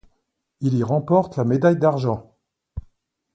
Il y remporte la médaille d'argent.